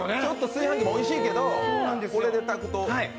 炊飯器もおいしいけど、これで炊くと。